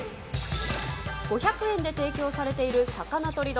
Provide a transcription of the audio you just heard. ５００円で提供されている肴とり丼。